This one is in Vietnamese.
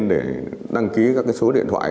để đăng ký các số điện thoại